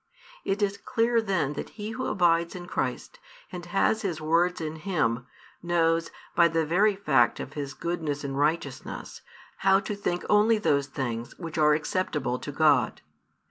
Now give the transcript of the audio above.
It is clear then that He who abides in Christ, and has His words in him, knows, by the very fact of his goodness and righteousness, how |391 to think only those things which are acceptable to God.